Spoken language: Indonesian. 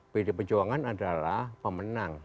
pdi perjuangan adalah pemenang